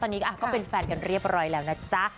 ตอนนี้ก็เป็นแฟนกันเรียบร้อยแล้วนะจ๊ะ